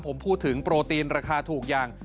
ผมพูดถึงโปรตีนราคาถูกอย่าง